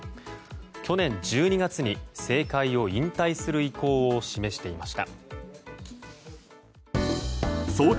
去年１２月に政界を引退する意向を示していました。